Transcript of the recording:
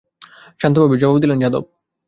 শান্তভাবে জবাব দিলেন যাদব।